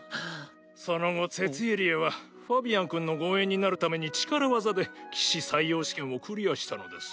その後ツェツィーリエはファビアンくんの護衛になるために力技で騎士採用試験をクリアしたのです。